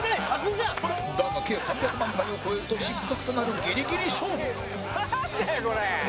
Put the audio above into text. だが計３００万回を超えると失格となるギリギリ勝負なんだよこれ！